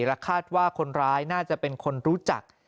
และคาดว่าคนร้ายน่าจะเป็นคนรู้จัก